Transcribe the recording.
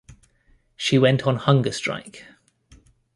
She went on hunger strike.